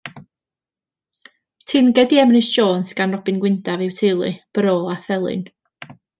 Teyrnged i Emrys Jones gan Robin Gwyndaf yw Teulu, Bro a Thelyn.